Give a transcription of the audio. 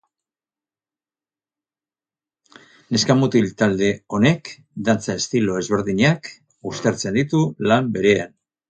Neska-mutil talde honek dantza estilo ezberdinak uztartzen ditu lan berean.